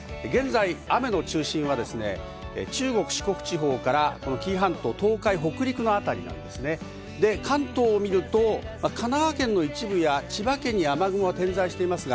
雨の中心は、中国四国地方から東海北陸のあたり、関東を見ると、神奈川県の一部、千葉県に雨雲が点在しています。